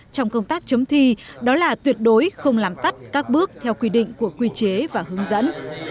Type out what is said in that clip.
trong công tác chấm thi đó là tuyệt đối không làm tắt các bước theo quy định của quy chế và hướng dẫn